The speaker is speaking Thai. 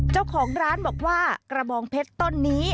เจ้าของร้านบอกว่ากระบองเพชรต้นนี้